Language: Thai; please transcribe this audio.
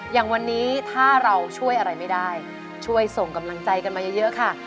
อย่างวันนี้ถ้าเราช่วยอะไรไม่ได้ช่วยส่งกำลังใจกันมาเยอะค่ะ